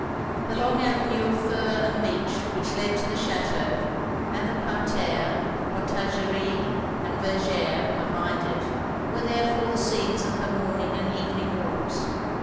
The long avenue of fir and beech which led to the chateau, and the parterre, potagerie, and verger behind it, were therefore the scenes of her morning and evening walks.